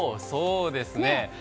そうですね！